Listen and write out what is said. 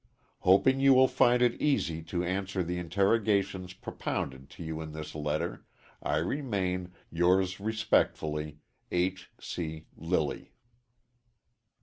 Hoping you will find it easy to answer the interrogations propounded to you in this letter, I remain, Yours respectfully, H. C. LILLY.